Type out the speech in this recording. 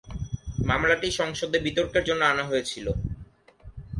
মামলাটি সংসদে বিতর্কের জন্য আনা হয়েছিল।